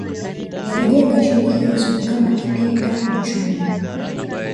Walijenga shule hizo kama kitega uchumi